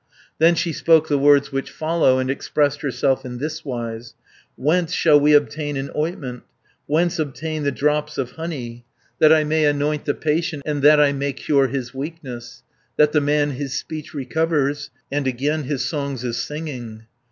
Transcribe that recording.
Then she spoke the words which follow, And expressed herself in thiswise: "Whence shall we obtain an ointment, Whence obtain the drops of honey That I may anoint the patient And that I may cure his weakness, 390 That the man his speech recovers, And again his songs is singing?